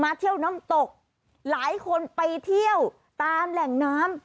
เที่ยวน้ำตกหลายคนไปเที่ยวตามแหล่งน้ำ